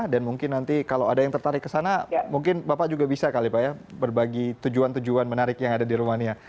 mungkin nanti kalau ada yang tertarik ke sana mungkin bapak juga bisa kali pak ya berbagi tujuan tujuan menarik yang ada di rumania